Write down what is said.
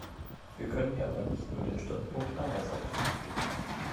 Wir können hier aber nicht nur den Standpunkt einer Seite vertreten.